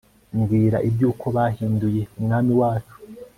mbwira iby'uko bahinyuye umwami wacu